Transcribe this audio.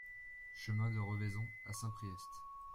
Chemin de Revaison à Saint-Priest